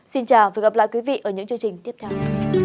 xin chào và hẹn gặp lại quý vị ở những chương trình tiếp theo